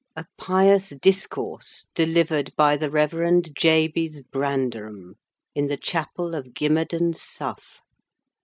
A Pious Discourse delivered by the Reverend Jabez Branderham, in the Chapel of Gimmerden Sough."